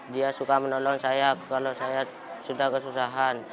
dia suka menolong saya kalau saya sudah kesusahan